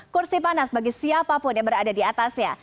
kursi panas bagi siapapun yang berada di atasnya